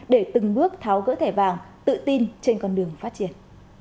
để từng bước tháo gỡ thẻ vàng tự tin trên con đường phát triển